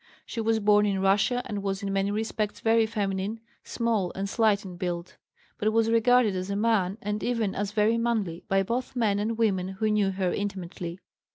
She was born in Russia and was in many respects very feminine, small and slight in build, but was regarded as a man, and even as very "manly," by both men and women who knew her intimately.